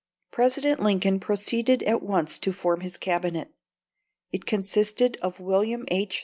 President Lincoln proceeded at once to form his Cabinet. It consisted of William H.